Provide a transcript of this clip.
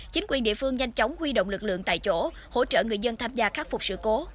chính quyền địa phương nhanh chóng huy động lực lượng tại chỗ hỗ trợ người dân tham gia khắc phục sự cố